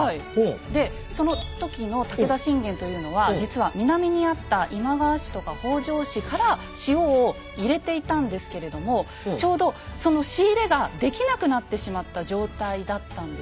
でその時の武田信玄というのは実は南にあった今川氏とか北条氏から塩を入れていたんですけれどもちょうどその仕入れができなくなってしまった状態だったんです。